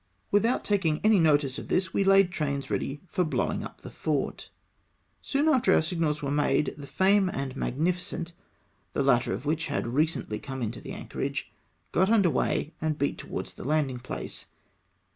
Without taking any notice of this, we laid trains ready for blowing up the fort. Soon after our signals were made, the Fame and Magnificent — the latter of which had recently come into the anchorage — got under weigh and beat towards the landing place.